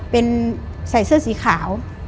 เป็นใส่เสื้อสีขาว